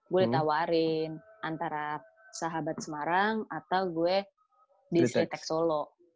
gue tawarin antara sahabat semarang atau gue di sritek solo